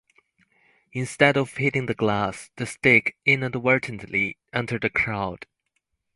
Instead of hitting the glass, the stick inadvertently entered the crowd.